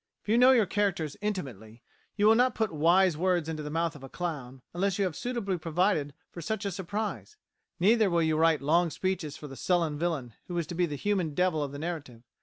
If you know your characters intimately, you will not put wise words into the mouth of a clown, unless you have suitably provided for such a surprise; neither will you write long speeches for the sullen villain who is to be the human devil of the narrative.